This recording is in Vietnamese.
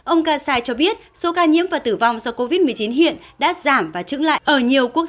ông kasai cho biết số ca nhiễm và tử vong do covid một mươi chín hiện đã giảm và trứng lại ở nhiều quốc